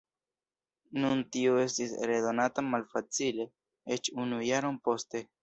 Nun tio estis redonata malfacile, eĉ unu jaron poste.